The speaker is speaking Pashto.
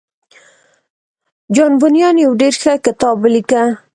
جان بونيان يو ډېر ښه کتاب وليکه.